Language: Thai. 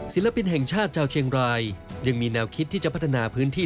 ศิลปินแห่งชาติชาวเชียงรายยังมีแนวคิดที่จะพัฒนาพื้นที่